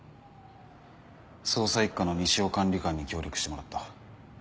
捜査一課の西尾管理官に協力してもらった。